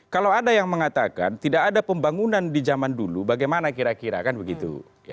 kalau ada yang mengatakan tidak ada pembangunan di zaman dulu bagaimana kira kira kan begitu